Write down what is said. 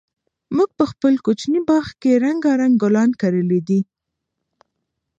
موږ په خپل کوچني باغ کې رنګارنګ ګلان کرلي دي.